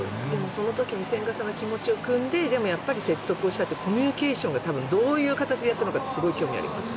その時に千賀さんの気持ちを酌んででもやっぱり説得をしたってコミュニケーションを多分、どういう形でやったのかすごい興味があります。